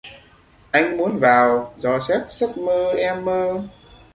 anh muốn vào dò xét giấc em mơ